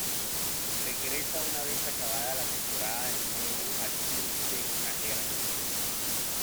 Regresa una vez acabada la temporada de nuevo al club de Nájera.